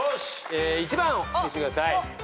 １番を見せてください。